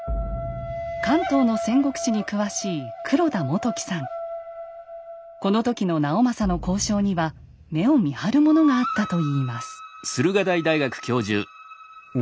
関東の戦国史に詳しいこの時の直政の交渉には目をみはるものがあったといいます。